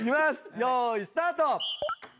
よーいスタート！